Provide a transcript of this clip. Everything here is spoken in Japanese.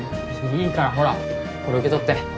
いいからほらこれ受け取って。